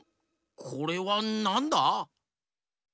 これはなんだ？